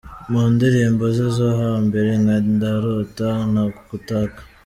Mu ndirimbo ze zo ha mbere nka 'Ndarota','Nakutaka',.